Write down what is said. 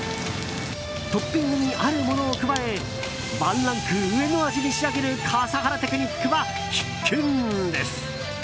トッピングにあるものを加えワンランク上の味に仕上げる笠原テクニックは必見です！